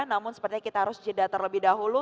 namun sepertinya kita harus jeda terlebih dahulu